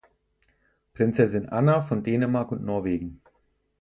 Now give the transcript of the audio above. Prinzessin Anna von Dänemark und Norwegen.